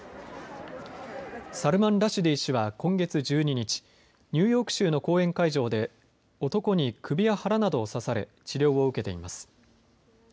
サルマン・ラシュディ氏は今月１２日、ニューヨーク州の講演会場で男に首や腹などを刺され治療を受けています。